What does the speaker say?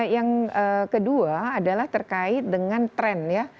yang kedua adalah terkait dengan tren ya